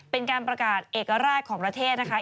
เป็นการประกาศเอกราชของประเทศนะคะ